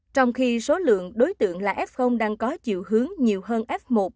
trong khi số lượng đối tượng là f đang có chiều hướng nhiều hơn f một